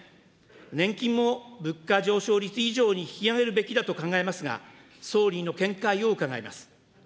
年金も物価上昇率以上に引き上げるべきだと考えますが、総理の見解を伺います。